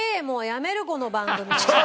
もうやめるこの番組。